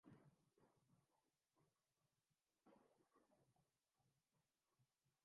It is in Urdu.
جو برصغیر کا کریکٹر اور مزاج ہے۔